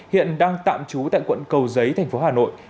hiện đang tạm trú tại quận cầu giấy thành phố hà nội